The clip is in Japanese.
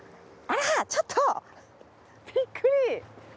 あらちょっとびっくり！